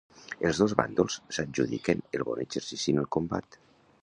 Els dos bàndols s'adjudiquen el bon exercici en el combat.